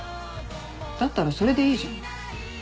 だったらそれでいいじゃん。